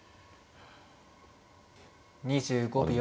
２５秒。